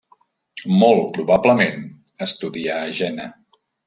Molt probablement estudià Jena.